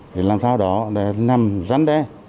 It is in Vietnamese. để làm sao đó để nằm rắn đe